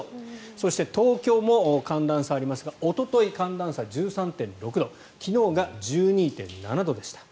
そして、東京も寒暖差がありますがおととい、寒暖差１３．６度昨日が１２．７度でした。